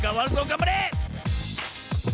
がんばれ！